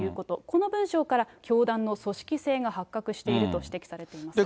この文章から、教団の組織性が発覚していると指摘されています。